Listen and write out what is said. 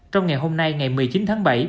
trong ngày hôm nay ngày một mươi chín tháng bảy